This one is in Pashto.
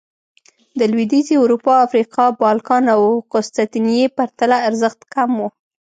د لوېدیځې اروپا، افریقا، بالکان او قسطنطنیې پرتله ارزښت کم و